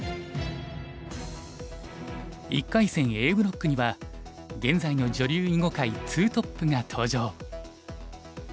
１回戦Ａブロックには現在の女流囲碁界２トップが登場。